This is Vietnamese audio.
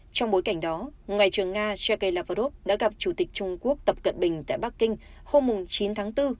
trong bối cảnh đó ngoại trưởng nga sergei lavrov đã gặp chủ tịch trung quốc tập cận bình tại bắc kinh hôm chín tháng bốn